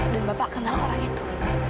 bapak kenal orang itu